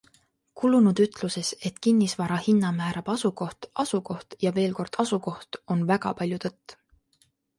Kulunud ütluses, et kinnisvara hinna määrab asukoht, asukoht ja veelkord asukoht, on väga palju tõtt.